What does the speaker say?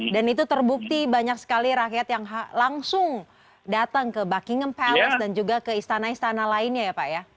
dan itu terbukti banyak sekali rakyat yang langsung datang ke buckingham palace dan juga ke istana istana lainnya ya pak ya